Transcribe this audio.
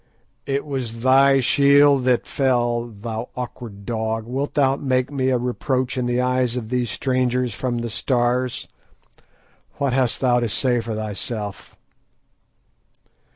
"It was thy shield that fell, thou awkward dog. Wilt thou make me a reproach in the eyes of these strangers from the Stars? What hast thou to say for thyself?"